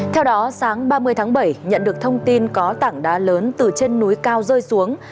theo đó sáng ba mươi tháng bảy nhận được thông tin có tảng đá lớn từ trên núi cao rơi xuống